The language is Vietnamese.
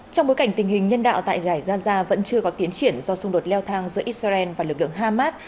trong bối cảnh tình hình nhân đạo tại gãi gaza vẫn chưa có tiến triển do xung đột leo thang giữa israel và lực lượng hamas